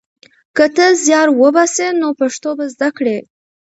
که ته زیار وباسې نو پښتو به زده کړې.